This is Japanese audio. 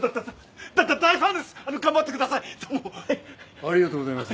ありがとうございます。